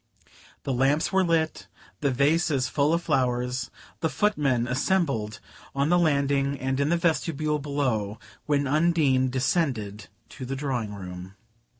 The lamps were lit, the vases full of flowers, the foot men assembled on the landing and in the vestibule below, when Undine descended to the drawing room.